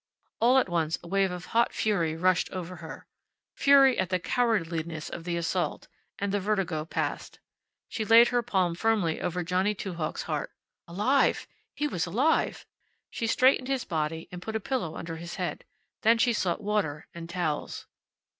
All at once a wave of hot fury rushed over her fury at the cowardliness of the assault and the vertigo passed. She laid her palm firmly over Johnny Two Hawks' heart. Alive! He was alive! She straightened his body and put a pillow under his head. Then she sought water and towels.